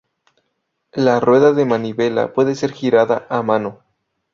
La rueda de manivela puede ser girada a mano.